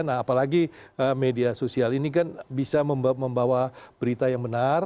nah apalagi media sosial ini kan bisa membawa berita yang benar